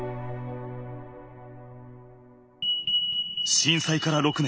震災から６年。